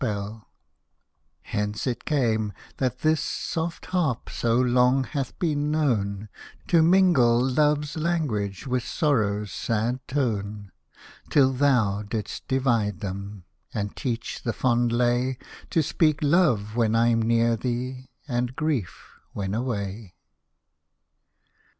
Hosted by Google 20 IRISH MELODIES Hence it came, that this soft Harp so long hath been known To mingle love's language with sorrow's sad tone ; Till thou didst divide them, and teach the fond lay To speak love when I'm near thee, and grief when away.